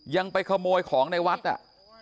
ยังไปขโมยของในวัดอ่ะ